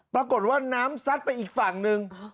ปรากฏว่าน้ำซัดไปอีกฝั่งหนึ่ง